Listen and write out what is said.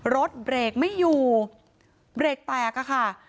รถเบรกไม่อยู่เบรกแตกอะค่ะ